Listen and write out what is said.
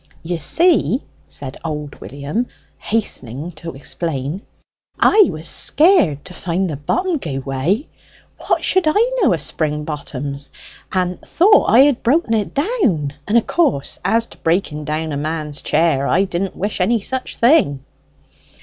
"You see," said old William, hastening to explain, "I was scared to find the bottom gie way what should I know o' spring bottoms? and thought I had broke it down: and of course as to breaking down a man's chair, I didn't wish any such thing."